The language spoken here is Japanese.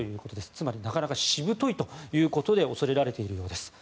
つまり、なかなかしぶといということで恐れられているようです。